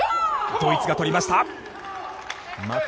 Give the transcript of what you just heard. ドイツが取りました。